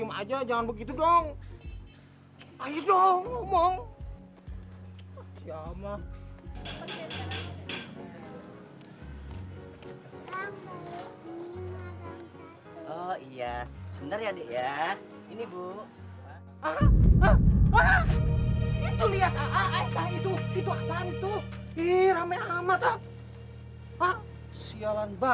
makanya saya terpaksa minta minta